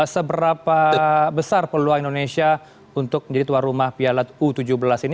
seberapa besar peluang indonesia untuk menjadi tuan rumah piala u tujuh belas ini